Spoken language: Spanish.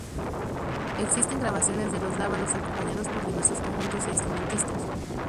Existen grabaciones de Los Dávalos acompañados por diversos conjuntos e instrumentistas.